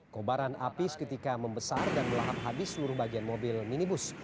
kobaran api seketika membesar dan melahap habis seluruh bagian mobil minibus